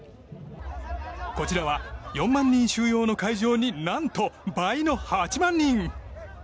こちらは４万人収容の会場に何と倍の８万人！